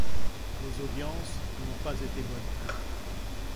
Les audiences n'ont pas été bonnes.